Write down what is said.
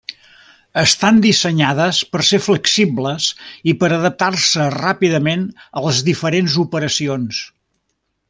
Estan dissenyades per ser flexibles i per adaptar-se ràpidament a les diferents operacions.